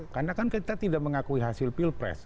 karena kan kita tidak mengakui hasil pilpres